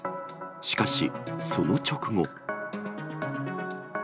しかし、その直後。